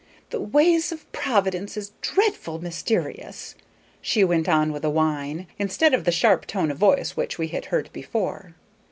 "The ways of Providence is dreadful myster'ous," she went on with a whine, instead of the sharp tone of voice which we had heard before.